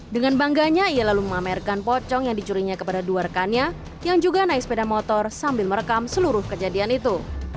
dengan bangganya ia lalu memamerkan pocong yang dicurinya kepada dua rekannya yang juga naik sepeda motor sambil merekam seluruh kejadian itu